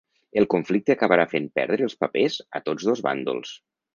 El conflicte acabarà fent perdre els papers a tots dos bàndols.